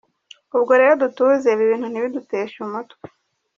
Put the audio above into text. Ubwo rero dutuze ibi bintu ntibiduteshe umutwe.